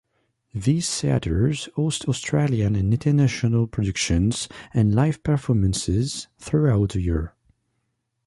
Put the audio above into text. These theatres host Australian and international productions and live performances throughout the year.